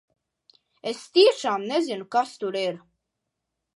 Es tiešām nezinu, kas tur ir!